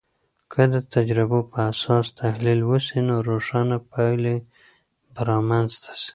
که د تجربو پراساس تحلیل وسي، نو روښانه پایلې به رامنځته سي.